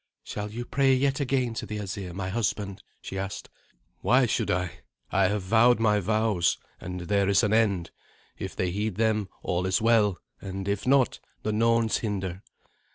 "Shall you pray yet again to the Asir, my husband?" she asked. "Why should I? I have vowed my vows, and there is an end. If they heed them, all is well; and if not, the Norns hinder."